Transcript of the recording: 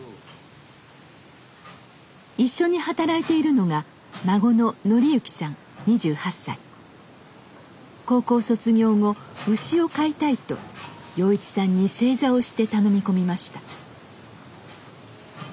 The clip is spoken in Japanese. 一緒に働いているのが高校卒業後牛を飼いたいと洋一さんに正座をして頼み込みました。